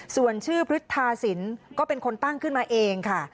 ส่วนชื่อพฤทธาสินก็เป็นคนตั้งขึ้นมาเองค่ะ